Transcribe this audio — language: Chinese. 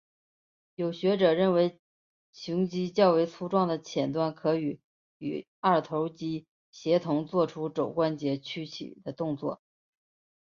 有学者认为肱肌较为粗壮的浅端可与与肱二头肌协同作出肘关节屈曲的动作。